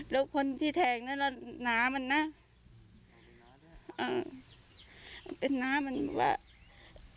แล้วคนที่แทงนั่นล่ะน้ามันน่ะเออเป็นน้ามันว่า